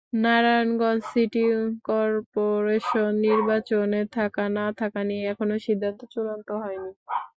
Narayanganj city corporation নির্বাচনে থাকা না-থাকা নিয়ে এখনো সিদ্ধান্ত চূড়ান্ত হয়নি।